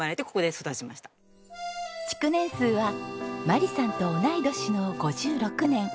築年数は眞理さんと同い年の５６年。